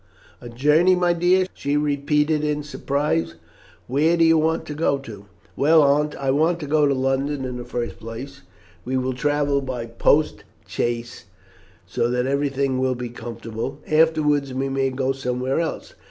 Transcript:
"A journey, my dear!" she repeated in surprise. "Where do you want to go to?" "Well, Aunt, I want to go to London in the first place; we will travel by post chaise, so that everything will be comfortable; afterwards we may go somewhere else.